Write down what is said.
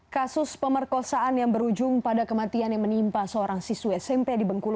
kasus pemerkosaan yang berujung pada kematian yang menimpa seorang siswa smp di bengkulu